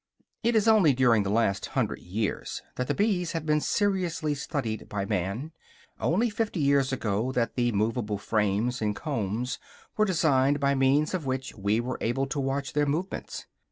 It is only during the last hundred years that the bees have been seriously studied by man; only fifty years ago that the movable frames and combs were designed by means of which we were able to watch their movements.